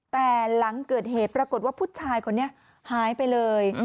แต่หลังเกิดเหตุปรากฏว่าผู้ชายคนนี้หายไปเลย